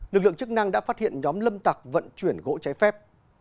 lực lượng chức năng đã phát hiện nhóm lâm tạc vận chuyển gỗ cháy phép